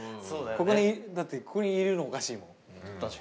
だってここにいるのおかしいもん本来。